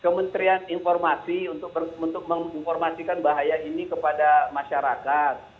kementerian informasi untuk menginformasikan bahaya ini kepada masyarakat